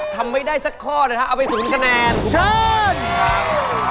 ทำไม่ได้สักข้อนะฮะเอาไป๐คะแนนเชิญครับ